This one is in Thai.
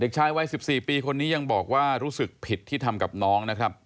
ชายวัย๑๔ปีคนนี้ยังบอกว่ารู้สึกผิดที่ทำกับน้องนะครับ